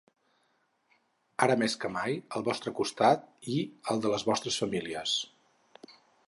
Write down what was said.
Ara més que mai, al vostre costat i al de les vostres famílies.